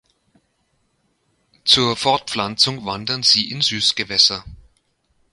Zur Fortpflanzung wandern sie in Süßgewässer.